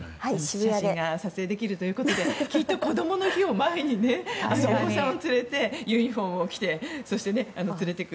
写真が撮影できるということできっとこどもの日を前にお子さんを連れてユニホームを着てそして連れていく。